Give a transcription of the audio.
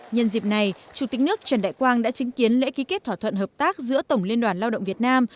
nhân dịp này chủ tịch nước trần đại quang đã chứng kiến lễ ký kết thỏa thuận hợp tác giữa tổng liên đoàn lao động việt nam